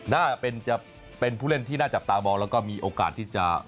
น่าจะเป็นผู้เล่นที่น่าจับตามองแล้วก็มีโอกาสที่จะ